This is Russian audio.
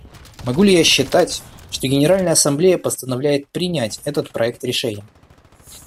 Могу ли я считать, что Генеральная Ассамблея постановляет принять этот проект решения?